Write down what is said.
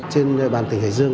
trên địa bàn tỉnh hải dương